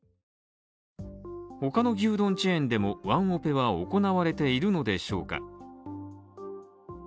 他の牛丼チェーンでも、ワンオペは行われているのでしょうか？